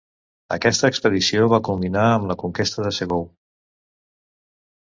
Aquesta expedició va culminar amb la conquesta de Ségou.